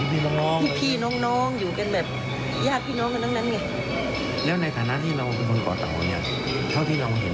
ฟังครอบครัวผู้หญิงเขาลงทุนหรือว่าฝั่งผู้ชายลงทุน